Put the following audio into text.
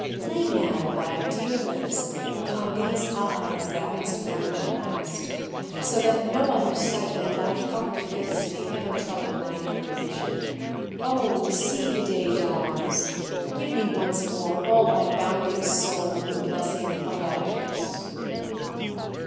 Lay now thy dear lips upon these eyes thou hast found at last, so that no other sight than thy fond face may ever trouble my inner vision. "Oh, see the day dawns; give me once more all thy bounding soul in the blessing of thy kiss."